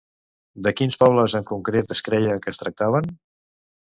De quins pobles en concret es creia que es tractaven?